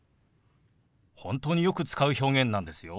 本当によく使う表現なんですよ。